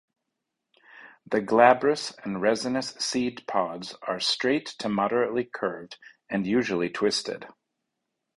The glabrous and resinous seed pods are straight to moderately curved and usually twisted.